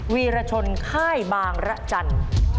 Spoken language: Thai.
วีรชนค่ายบางระจันทร์